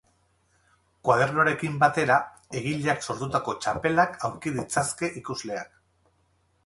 Koadernoarekin batera, egileak sortutako txapelak aurki ditzazke ikusleak.